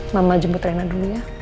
mama jemput rena dulu ya